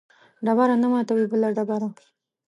ډبره نه ماتوي بله ډبره